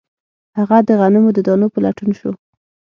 هغه د غنمو د دانو په لټون شو